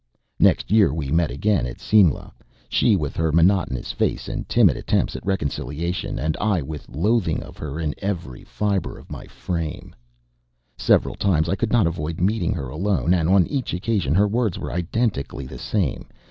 Next year we met again at Simla she with her monotonous face and timid attempts at reconciliation, and I with loathing of her in every fibre of my frame. Several times I could not avoid meeting her alone; and on each occasion her words were identically the same.